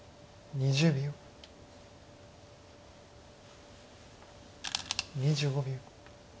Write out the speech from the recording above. ２５秒。